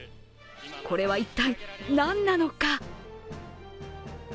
これは一体、何なのか？